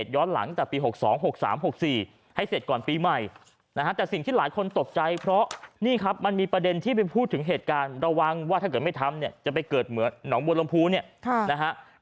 ยังที่ไปพูดถึงเหตุการณ์ระวังว่าถ้าเกิดไม่ทำจะไปเกิดเหมือนหน่อมวลมภูนะครับ